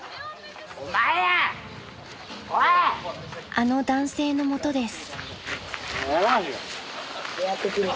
［あの男性の元です］